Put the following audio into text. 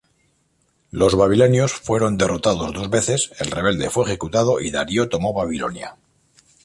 Los babilonios fueron derrotados dos veces, el rebelde fue ejecutado y Darío tomó Babilonia.